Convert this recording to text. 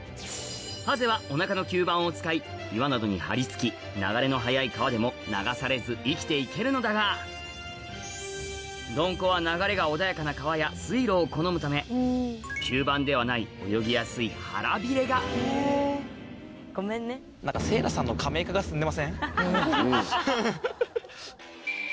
ハゼはお腹の吸盤を使い岩などに張り付き流れの速い川でも流されず生きていけるのだがドンコは流れが穏やかな川や水路を好むため吸盤ではない泳ぎやすい腹ビレがハハハ。